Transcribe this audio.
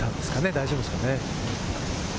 大丈夫ですかね？